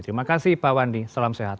terima kasih pak wandi salam sehat